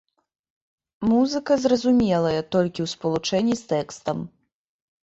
Музыка зразумелая толькі ў спалучэнні з тэкстам.